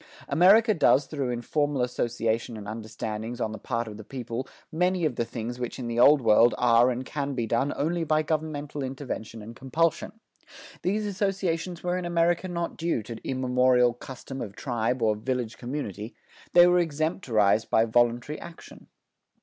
America does through informal association and understandings on the part of the people many of the things which in the Old World are and can be done only by governmental intervention and compulsion. These associations were in America not due to immemorial custom of tribe or village community. They were extemporized by voluntary action.